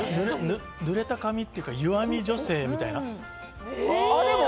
濡れた髪というか、湯浴み女性みたい。